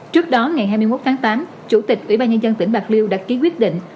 trước đó ngày hai mươi một tháng tám chủ tịch ủy ban nhân dân tỉnh bạc liêu đã ký quyết định